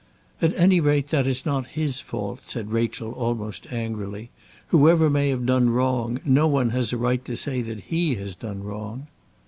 "At any rate that is not his fault," said Rachel, almost angrily. "Whoever may have done wrong, no one has a right to say that he has done wrong."